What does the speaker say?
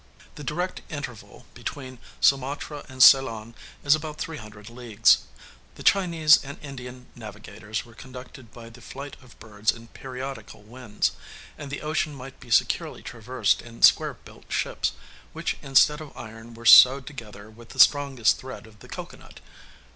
The direct interval between Sumatra and Ceylon is about three hundred leagues: the Chinese and Indian navigators were conducted by the flight of birds and periodical winds; and the ocean might be securely traversed in square built ships, which instead of iron were sewed together with the strong thread of the cocoanut.